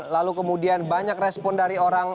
lalu kemudian banyak respon dari orang